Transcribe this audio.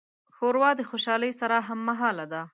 ښوروا د خوشالۍ سره هممهاله ده.